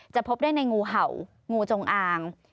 พบได้ในงูเห่างูจงอาง